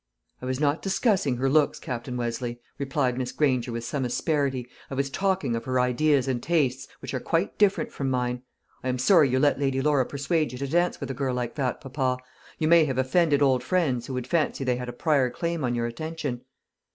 "I was not discussing her looks, Captain Westleigh," replied Miss Granger with some asperity; "I was talking of her ideas and tastes, which are quite different from mine. I am sorry you let Lady Laura persuade you to dance with a girl like that, papa. You may have offended old friends, who would fancy they had a prior claim on your attention."